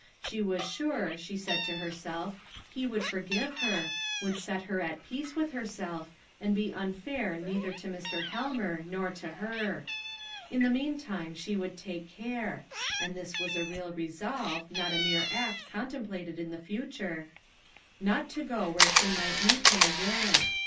She was sure, she said to herself, he would forgive her, would set her at peace with herself, and be unfair neither to Mr. Helmer nor to her. In the mean time she would take care and this was a real resolve, not a mere act contemplated in the future not to go where she might meet him again.